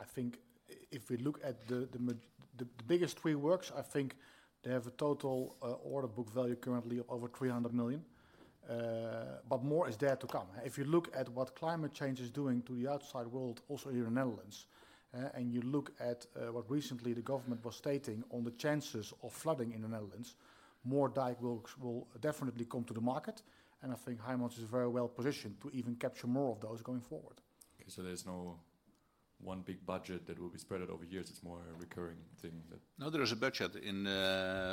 I think if we look at the biggest three works, I think they have a total order book value currently of over 300 million. But more is there to come. If you look at what climate change is doing to the outside world, also here in the Netherlands, and you look at what recently the government was stating on the chances of flooding in the Netherlands, more dike works will definitely come to the market, and I think Heijmans is very well positioned to even capture more of those going forward. Okay, so there's no one big budget that will be spread out over years. It's more a recurring thing that- No, there is a budget in,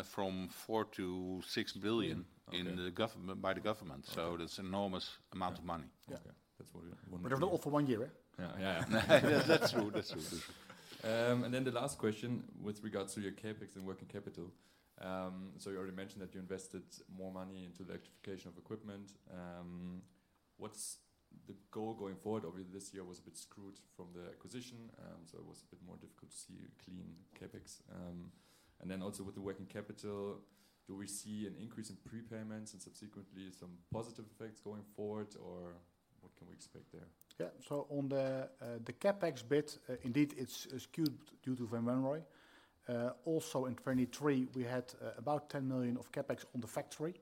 from 4 billion-6 billion- Okay... in the government, by the government. Okay. That's enormous amount of money. Yeah. Okay. That's what we want- But not all for one year, eh? Yeah. Yeah. That's true. That's true. And then the last question with regards to your CapEx and working capital. So you already mentioned that you invested more money into the electrification of equipment. What's the goal going forward? Obviously, this year was a bit screwed from the acquisition, so it was a bit more difficult to see a clean CapEx. And then also with the working capital, do we see an increase in prepayments and subsequently some positive effects going forward, or what can we expect there? Yeah. So on the CapEx bit, indeed, it's skewed due to Van Wanrooij. Also in 2023, we had about 10 million of CapEx on the factory.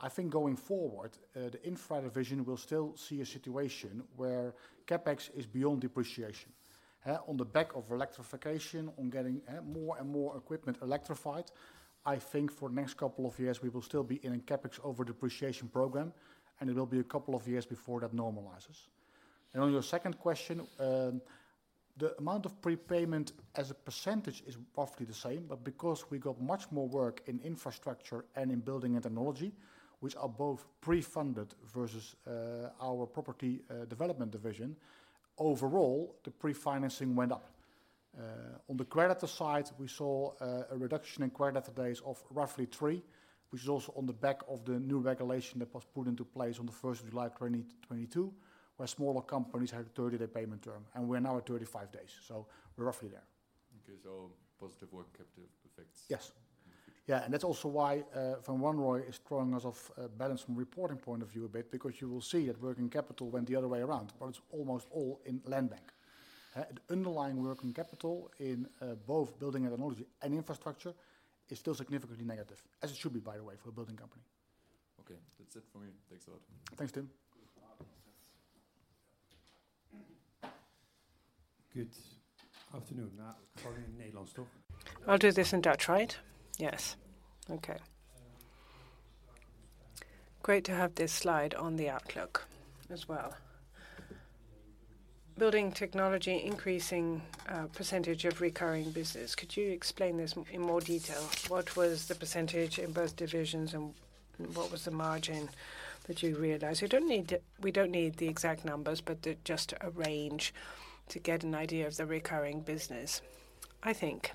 I think going forward, the infra division will still see a situation where CapEx is beyond depreciation, on the back of electrification, on getting more and more equipment electrified. I think for the next couple of years we will still be in a CapEx over depreciation program, and it will be a couple of years before that normalizes. On your second question, the amount of prepayment as a percentage is roughly the same, but because we got much more work in infrastructure and in building and technology, which are both pre-funded, versus our property development division, overall, the pre-financing went up. On the creditor side, we saw a reduction in creditor days of roughly 3, which is also on the back of the new regulation that was put into place on July 1, 2022, where smaller companies had a 30-day payment term, and we're now at 35 days, so we're roughly there. Okay, so positive working capital effects? Yes. Mm-hmm. Yeah, and that's also why Van Wanrooij is throwing us off balance from a reporting point of view a bit, because you will see that working capital went the other way around, but it's almost all in land bank. The underlying working capital in both building and technology and infrastructure is still significantly negative, as it should be, by the way, for a building company. Okay, that's it for me. Thanks a lot. Thanks, Tim. Good afternoon. Paulien Neylan, stop. I'll do this in Dutch, right? Yes. Okay. Great to have this slide on the outlook as well. Building technology, increasing percentage of recurring business. Could you explain this in more detail? What was the percentage in both divisions, and what was the margin that you realized? We don't need the exact numbers, but just a range to get an idea of the recurring business. I think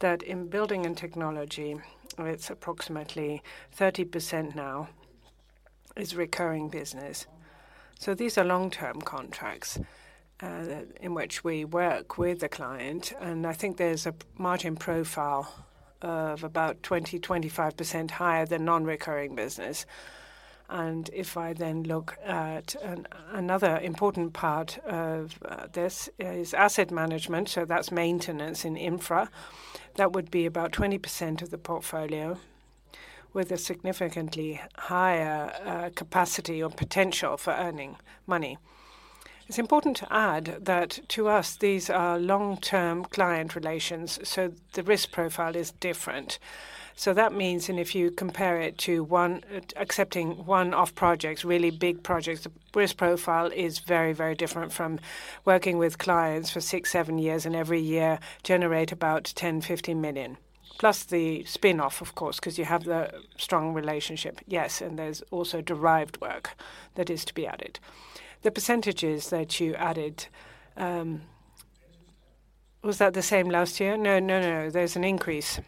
that in building and technology, it's approximately 30% now is recurring business. So these are long-term contracts that in which we work with the client, and I think there's a margin profile of about 20%-25% higher than non-recurring business. And if I then look at another important part of this is asset management, so that's maintenance in infra. That would be about 20% of the portfolio, with a significantly higher capacity or potential for earning money. It's important to add that, to us, these are long-term client relations, so the risk profile is different. So that means, and if you compare it to one accepting one-off projects, really big projects, the risk profile is very, very different from working with clients for six to seven years, and every year generate about 10-15 million, plus the spin-off, of course, 'cause you have the strong relationship. Yes, and there's also derived work that is to be added. The percentages that you added, was that the same last year? No, no, no, there's an increase.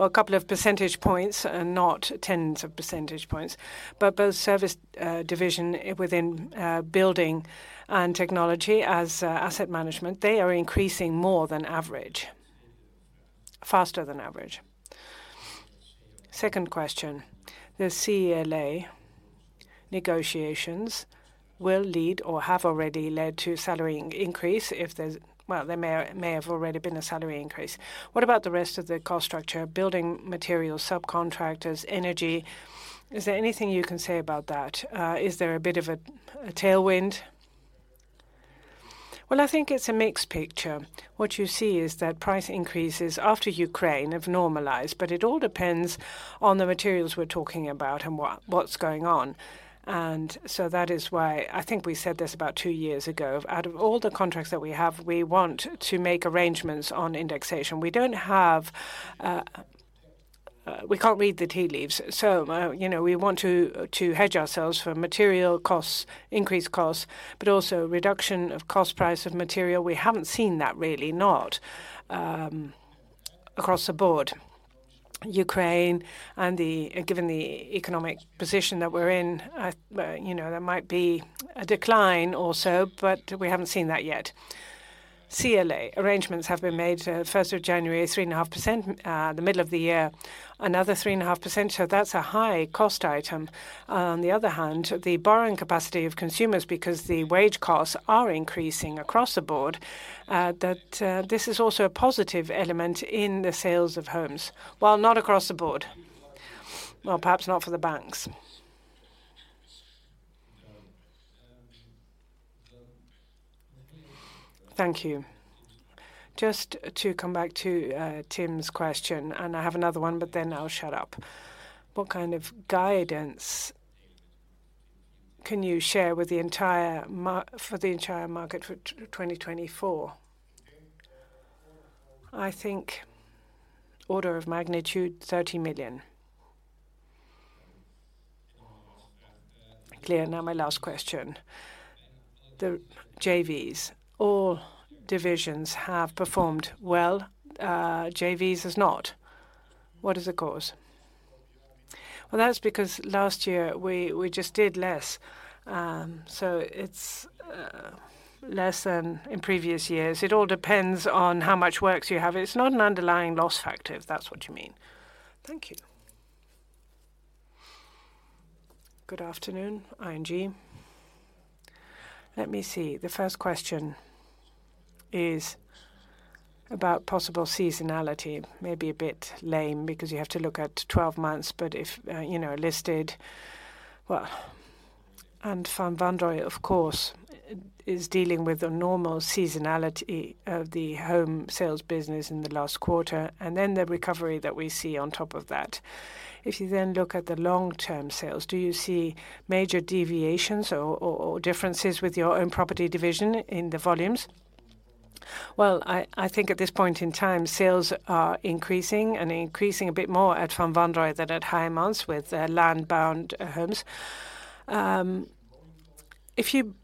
Well, a couple of percentage points and not tens of percentage points, but both service division within building and technology as asset management, they are increasing more than average. Faster than average. Second question, the CLA negotiations will lead or have already led to salary increase if there's... Well, there may, may have already been a salary increase. What about the rest of the cost structure? Building materials, subcontractors, energy, is there anything you can say about that? Is there a bit of a tailwind? Well, I think it's a mixed picture. What you see is that price increases after Ukraine have normalized, but it all depends on the materials we're talking about and what's going on. And so that is why I think we said this about two years ago, out of all the contracts that we have, we want to make arrangements on indexation. We don't have. We can't read the tea leaves, so, you know, we want to hedge ourselves for material costs, increased costs, but also reduction of cost price of material. We haven't seen that really, not across the board. Ukraine and the given the economic position that we're in, you know, there might be a decline also, but we haven't seen that yet. CLA arrangements have been made, first of January, 3.5%, the middle of the year, another 3.5%, so that's a high cost item. On the other hand, the borrowing capacity of consumers, because the wage costs are increasing across the board, that this is also a positive element in the sales of homes. Well, not across the board. Well, perhaps not for the banks. Thank you. Just to come back to Tim's question, and I have another one, but then I'll shut up. What kind of guidance can you share with the entire market for 2024? I think order of magnitude, EUR 30 million. Clear. Now, my last question: the JVs. All divisions have performed well. JVs has not. What is the cause? Well, that's because last year we just did less. So it's less than in previous years. It all depends on how much works you have. It's not an underlying loss factor, if that's what you mean. Thank you. Good afternoon, ING. Let me see. The first question is about possible seasonality. Maybe a bit lame, because you have to look at 12 months. But if, you know, listed, well, and Van Wanrooij of course, is dealing with the normal seasonality of the home sales business in the last quarter, and then the recovery that we see on top of that. If you then look at the long-term sales, do you see major deviations or, or, or differences with your own property division in the volumes? Well, I, I think at this point in time, sales are increasing and increasing a bit more at Van Wanrooij than at Heijmans, with their land-bound homes. If you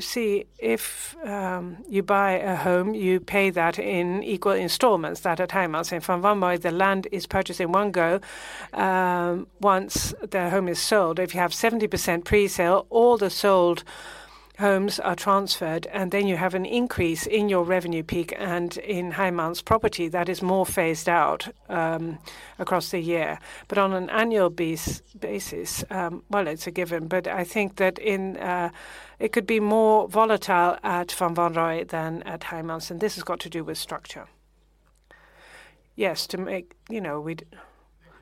see, if you buy a home, you pay that in equal installments at Heijmans. In Van Wanrooij, the land is purchased in one go, once the home is sold. If you have 70% presale, all the sold homes are transferred, and then you have an increase in your revenue peak. In Heijmans property, that is more phased out across the year. But on an annual basis, well, it's a given, but I think that in... It could be more volatile at Van Wanrooij than at Heijmans, and this has got to do with structure. Yes, to make you know, we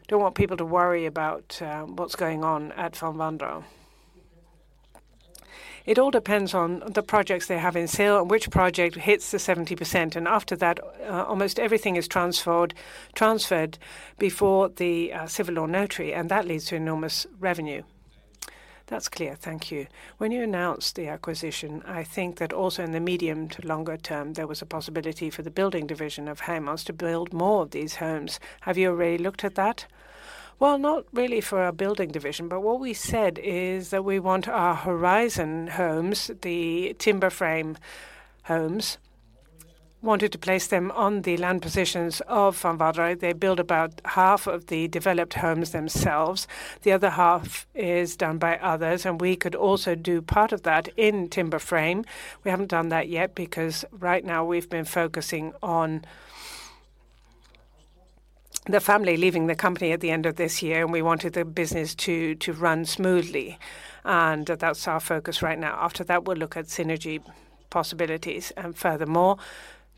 don't want people to worry about what's going on at Van Wanrooij. It all depends on the projects they have in sale and which project hits the 70%, and after that, almost everything is transferred, transferred before the civil law notary, and that leads to enormous revenue. That's clear. Thank you. When you announced the acquisition, I think that also in the medium to longer term, there was a possibility for the building division of Heijmans to build more of these homes. Have you already looked at that? Well, not really for our building division, but what we said is that we want our Horizon homes, the timber frame homes, wanted to place them on the land positions of Van Wanrooij. They build about half of the developed homes themselves. The other half is done by others, and we could also do part of that in timber frame. We haven't done that yet, because right now we've been focusing on the family leaving the company at the end of this year, and we wanted the business to run smoothly, and that's our focus right now. After that, we'll look at synergy possibilities. Furthermore,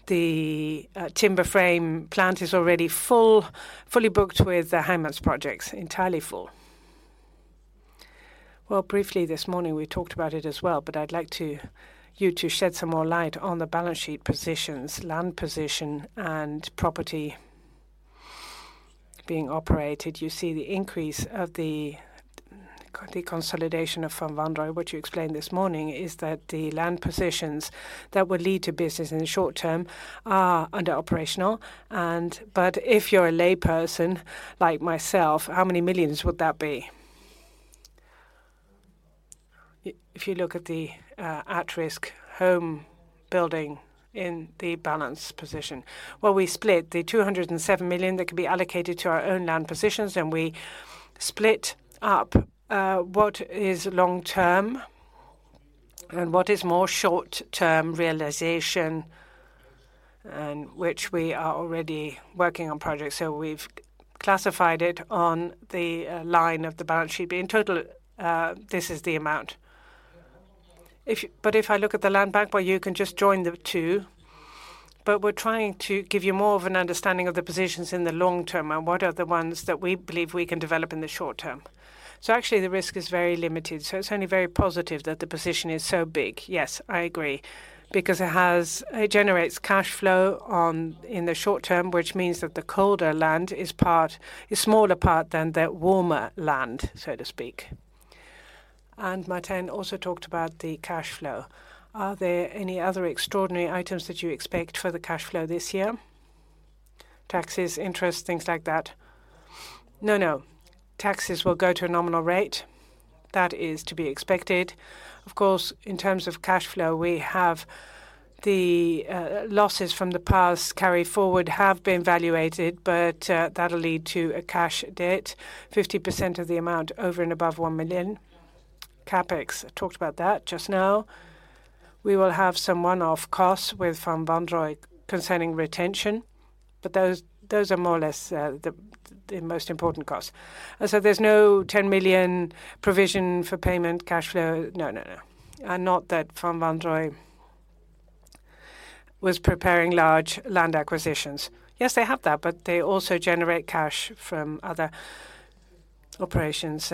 the timber frame plant is already full, fully booked with the Heijmans projects, entirely full. Well, briefly this morning, we talked about it as well, but I'd like you to shed some more light on the balance sheet positions, land position, and property being operated. You see the increase of the, the consolidation of Van Wanrooij, which you explained this morning, is that the land positions that would lead to business in the short term are under operational. But if you're a layperson like myself, how many millions would that be? If you look at the at-risk home building in the balance position. Well, we split the 207 million that could be allocated to our own land positions, and we split up what is long term and what is more short-term realization, and which we are already working on projects. So we've classified it on the line of the balance sheet. But in total, this is the amount. But if I look at the land bank, well, you can just join the two. But we're trying to give you more of an understanding of the positions in the long term and what are the ones that we believe we can develop in the short term. So actually, the risk is very limited, so it's only very positive that the position is so big. Yes, I agree, because it has-- it generates cash flow on, in the short term, which means that the colder land is part, a smaller part than the warmer land, so to speak. And Martin also talked about the cash flow. Are there any other extraordinary items that you expect for the cash flow this year? Taxes, interest, things like that. No, no. Taxes will go to a nominal rate. That is to be expected. Of course, in terms of cash flow, we have the losses from the past carry forward have been valuated, but that'll lead to a cash debt, 50% of the amount over and above 1 million. CapEx, talked about that just now. We will have some one-off costs with Van Wanrooij concerning retention, but those, those are more or less the most important costs. And so there's no 10 million provision for payment cash flow? No, no, no. And not that Van Wanrooij was preparing large land acquisitions. Yes, they have that, but they also generate cash from other operations,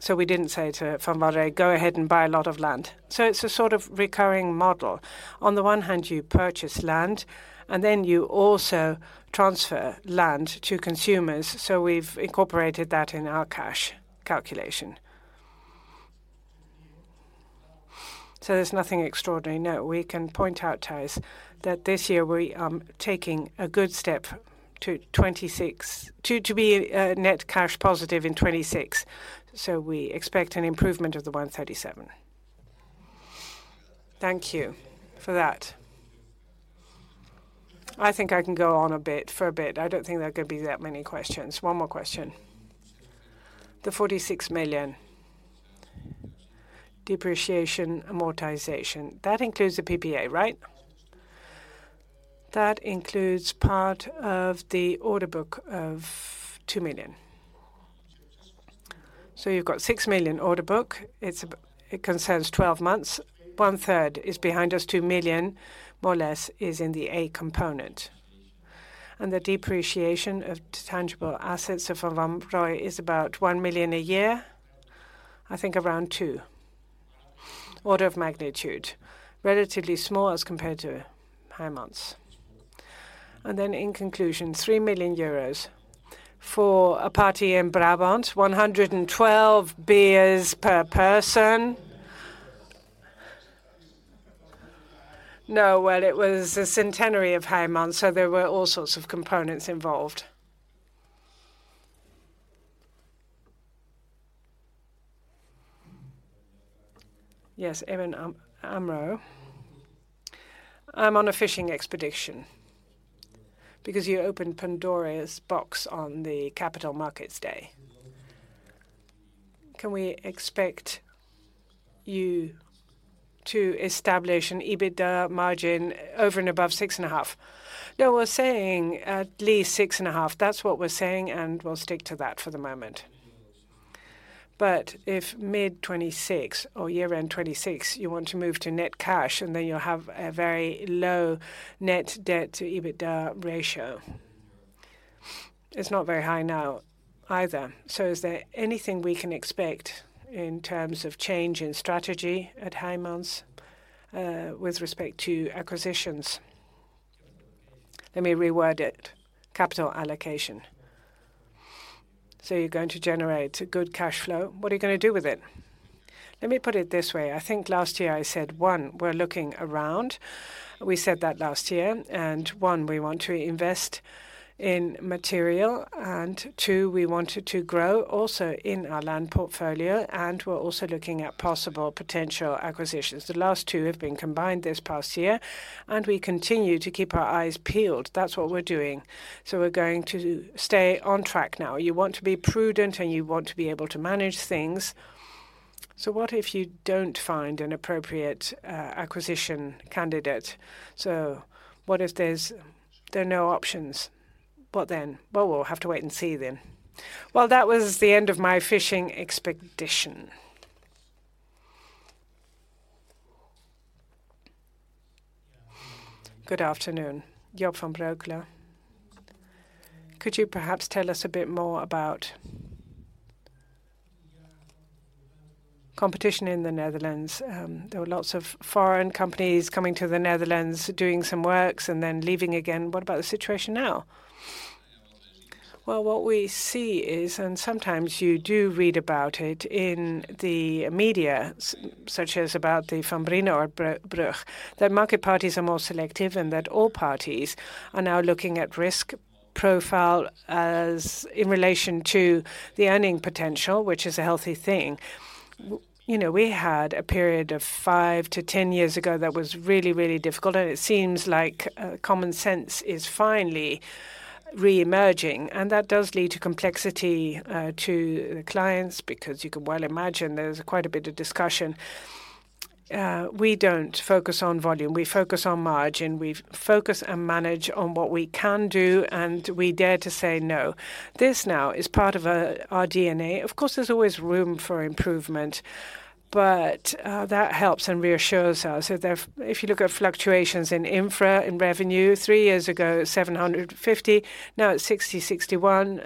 so, so we didn't say to Van Wanrooij, "Go ahead and buy a lot of land." So it's a sort of recurring model. On the one hand, you purchase land, and then you also transfer land to consumers, so we've incorporated that in our cash calculation. So there's nothing extraordinary? No, we can point out, Thijs, that this year we taking a good step to 2026 to be net cash positive in 2026. So we expect an improvement of the 137 million. Thank you for that. I think I can go on a bit, for a bit. I don't think there are going to be that many questions. One more question. The EUR 46 million depreciation amortization, that includes the PPA, right? That includes part of the order book of 2 million. So you've got 6 million order book. It concerns 12 months. One third is behind us, 2 million, more or less, is in the A component. And the depreciation of tangible assets of Van Wanrooij is about 1 million a year, I think around 2 million. Order of magnitude, relatively small as compared to Heijmans. Then in conclusion, 3 million euros for a party in Brabant, 112 beers per person. No, well, it was a centenary of Heijmans, so there were all sorts of components involved. Yes, ABN AMRO. I'm on a fishing expedition, because you opened Pandora's box on the capital markets day. Can we expect you to establish an EBITDA margin over and above 6.5%? No, we're saying at least 6.5%. That's what we're saying, and we'll stick to that for the moment. But if mid-2026 or year-end 2026, you want to move to net cash, and then you'll have a very low net debt to EBITDA ratio. It's not very high now, either. So is there anything we can expect in terms of change in strategy at Heijmans with respect to acquisitions? Let me reword it, capital allocation. So you're going to generate a good cash flow. What are you going to do with it? Let me put it this way. I think last year I said, one, we're looking around. We said that last year, and one, we want to invest in material, and two, we wanted to grow also in our land portfolio, and we're also looking at possible potential acquisitions. The last two have been combined this past year, and we continue to keep our eyes peeled. That's what we're doing. So we're going to stay on track now. You want to be prudent, and you want to be able to manage things. So what if you don't find an appropriate, acquisition candidate? So what if there's, there are no options? What then? Well, we'll have to wait and see then. Well, that was the end of my fishing expedition. Good afternoon, Job van Breukelen. Could you perhaps tell us a bit more about competition in the Netherlands? There were lots of foreign companies coming to the Netherlands, doing some works and then leaving again. What about the situation now? Well, what we see is, and sometimes you do read about it in the media, such as about the Van Brienenoordbrug, that market parties are more selective and that all parties are now looking at risk profile as in relation to the earning potential, which is a healthy thing. You know, we had a period of five to 10 years ago that was really, really difficult, and it seems like common sense is finally reemerging, and that does lead to complexity to the clients, because you can well imagine there's quite a bit of discussion. We don't focus on volume, we focus on margin. We focus and manage on what we can do, and we dare to say no. This now is part of our DNA. Of course, there's always room for improvement, but that helps and reassures us. So therefore, if you look at fluctuations in infra, in revenue, three years ago, 750, now it's 60, 61.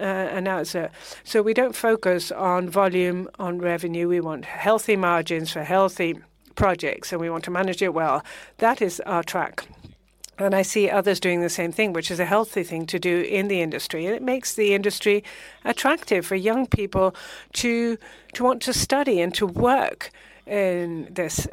So we don't focus on volume, on revenue. We want healthy margins for healthy projects, and we want to manage it well. That is our track. And I see others doing the same thing, which is a healthy thing to do in the industry, and it makes the industry attractive for young people to, to want to study and to work in this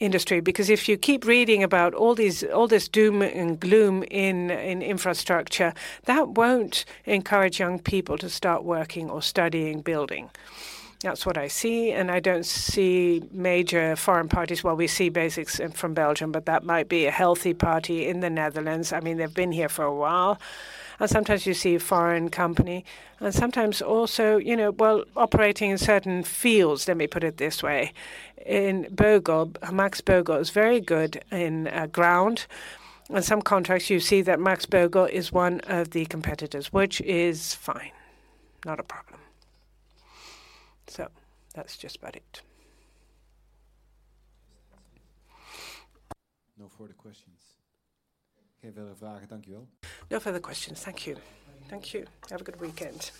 industry. Because if you keep reading about all these, all this doom and gloom in infrastructure, that won't encourage young people to start working or studying building. That's what I see, and I don't see major foreign parties. Well, we see BAM is in from Belgium, but that might be a healthy party in the Netherlands. I mean, they've been here for a while, and sometimes you see a foreign company, and sometimes also, you know, well, operating in certain fields. Let me put it this way, in Bögl, Max Bögl is very good in ground. In some contracts, you see that Max Bögl is one of the competitors, which is fine, not a problem. So that's just about it. No further questions. No further questions. Thank you. Thank you. Have a good weekend.